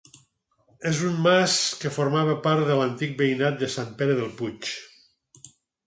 És un mas que formava part de l'antic veïnat de Sant Pere del Puig.